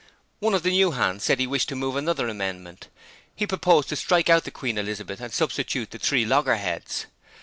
One of the new hands said he wished to move another amendment. He proposed to strike out the Queen Elizabeth and substitute the Three Loggerheads.